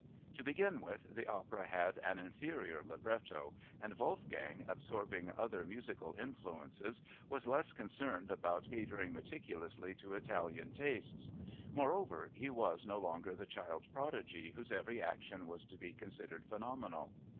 To begin with, the opera had an inferior libretto and Wolfgang, absorbing other musical influences, was less concerned about catering meticulously to Italian tastes. Moreover, he was no longer the child prodigy whose every action was to be considered phenomenal.